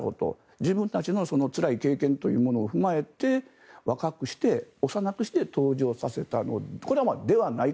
自分たちのつらい経験というのを踏まえて若くして、幼くして登場させたのではないか。